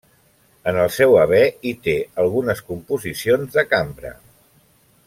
En el seu haver hi té algunes composicions de cambra.